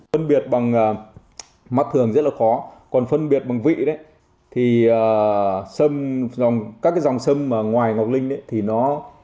phân biệt bằng mắt thường rất là khó còn phân biệt bằng vị đấy thì các dòng sâm ngoài ngọc linh thì nó